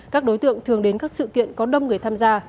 các đối tượng thường đến các sự kiện có đông người tham gia